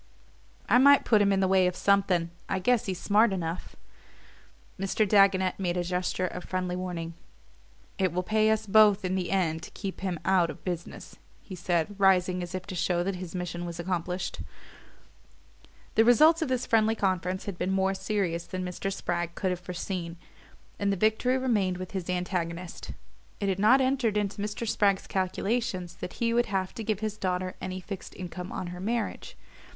"I might put him in the way of something I guess he's smart enough." Mr. Dagonet made a gesture of friendly warning. "It will pay us both in the end to keep him out of business," he said, rising as if to show that his mission was accomplished. The results of this friendly conference had been more serious than Mr. Spragg could have foreseen and the victory remained with his antagonist. It had not entered into Mr. Spragg's calculations that he would have to give his daughter any fixed income on her marriage.